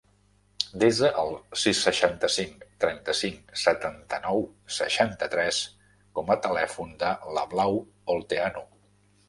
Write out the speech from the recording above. Desa el sis, seixanta-cinc, trenta-cinc, setanta-nou, seixanta-tres com a telèfon de la Blau Olteanu.